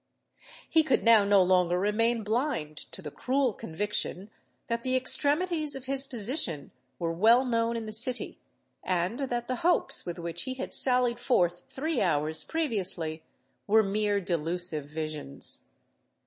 He could now no longer remain blind to the cruel conviction that the extremities of his position were well known in the City, and that the hopes with which he had sallied forth three hours previously were mere delusive visions.